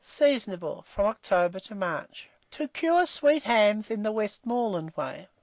Seasonable from October to March. TO CURE SWEET HAMS IN THE WESTMORELAND WAY.